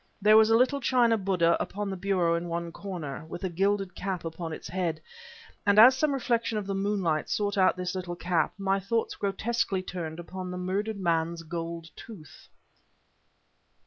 There was a little China Buddha upon the bureau in one corner, with a gilded cap upon its head, and as some reflection of the moonlight sought out this little cap, my thoughts grotesquely turned upon the murdered man's gold tooth.